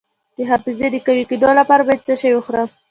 د حافظې د قوي کیدو لپاره باید څه شی وخورم؟